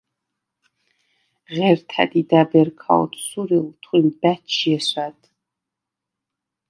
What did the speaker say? ღერთა̈ დიდა̈ბ ერ ქა ოთსურილ, თხვიმ ბა̈ჩჟი ესვა̈დ.